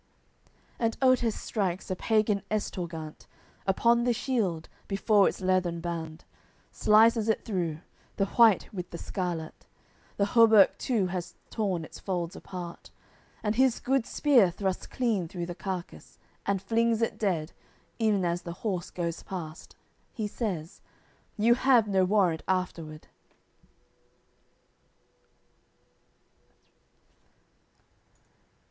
AOI. CI And Otes strikes a pagan Estorgant Upon the shield, before its leathern band, Slices it through, the white with the scarlat; The hauberk too, has torn its folds apart, And his good spear thrusts clean through the carcass, And flings it dead, ev'n as the horse goes past; He says: "You have no warrant afterward."